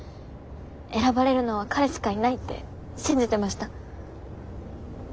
選ばれるのは彼しかいないって信じてました。